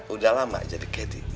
udah lama jadi kedik